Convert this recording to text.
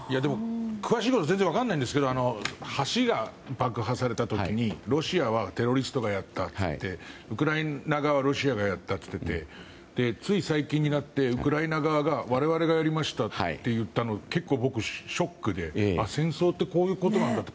詳しいこと全然分からないんですけど橋が爆破された時に、ロシアはテロリストがやったっていってウクライナ側はロシアがやったといっていてつい最近になってウクライナ側が我々がやりましたっていったの結構僕、ショックで戦争ってこういうことなんだって。